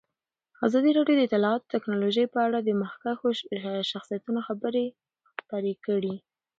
ازادي راډیو د اطلاعاتی تکنالوژي په اړه د مخکښو شخصیتونو خبرې خپرې کړي.